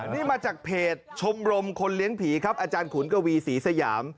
นี่มาจากเพจชมรมคนเลี้ยงผีครับอาจารย์ขุนกวีศรีสยาม